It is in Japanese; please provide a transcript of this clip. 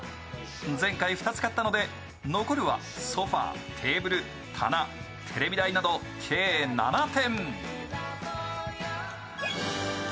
前回２つ買ったので残るはソファー、テーブル、棚、テレビ台など計７点。